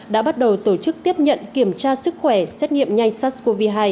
đã bắt đầu tổ chức tiếp nhận kiểm tra sức khỏe xét nghiệm nhanh sars cov hai